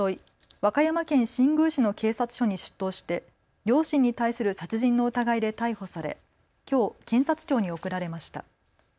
和歌山県新宮市の警察署に出頭して両親に対する殺人の疑いで逮捕されきょう検察庁に送られました。